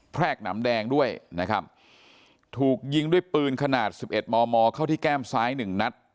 แรกหนำแดงด้วยนะครับถูกยิงด้วยปืนขนาด๑๑มมเข้าที่แก้มซ้ายหนึ่งนัด